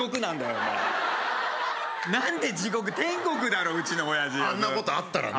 お前何で地獄天国だろうちの親父あんなことあったらねえ